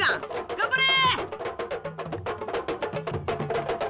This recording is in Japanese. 頑張れ！